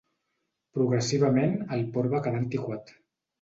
Progressivament el port va quedar antiquat.